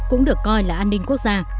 cũng được coi là an ninh quốc gia